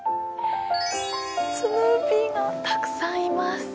スヌーピーがたくさんいます。